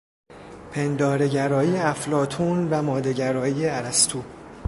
پندارهگرایی افلاطون و ماده گرایی ارسطو